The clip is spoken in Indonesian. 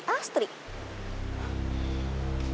kok itu si kevin sama si astri